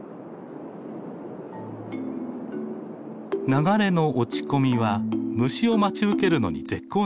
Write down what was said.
流れの落ち込みは虫を待ち受けるのに絶好のポイント。